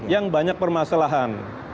yang banyak permasalahan